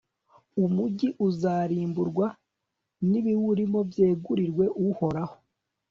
umugi uzarimburwa n'ibiwurimo byegurirwe uhoraho